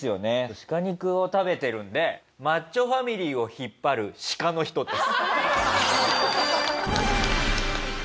鹿肉を食べてるんでマッチョファミリーを引っ張る鹿の人です。